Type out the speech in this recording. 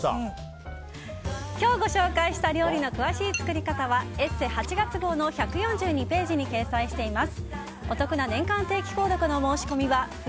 今日ご紹介した料理の詳しい作り方は「ＥＳＳＥ」８月号の１４２ページに掲載しています。